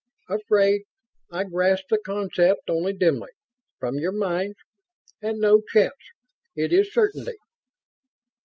"Afraid? I grasp the concept only dimly, from your minds. And no chance. It is certainty."